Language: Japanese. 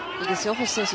星選手